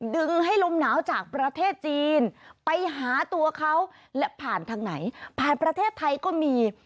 ดึงให้ลมหนาวจากประเทศจีนไปหาตัวเขาและผ่านทางไหนผ่านประเทศไทยก็มี